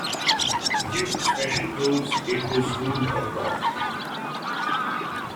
Due to the special rules, it was ruled a draw.